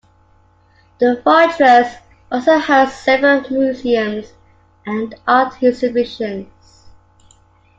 The fortress also hosts several museums and art exhibitions.